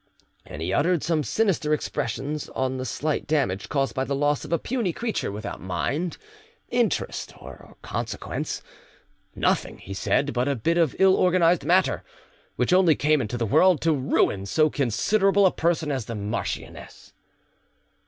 And he uttered some sinister expressions on the slight damage caused by the loss of a puny creature without mind, interest, or consequence; nothing, he said, but a bit of ill organised matter, which only came into the world to ruin so considerable a person as the marchioness.